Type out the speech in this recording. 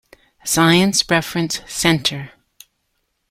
Science Reference Center.